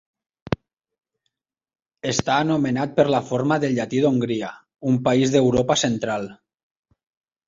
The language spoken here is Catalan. Està anomenat per la forma en llatí d'Hongria, un país d'Europa central.